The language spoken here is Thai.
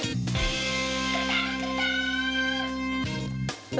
มีเมลิกลิปที่๒๒ไกล